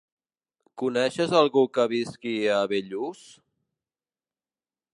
Coneixes algú que visqui a Bellús?